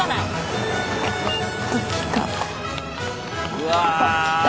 うわ！